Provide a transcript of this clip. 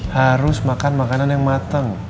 harus makan makanan yang mateng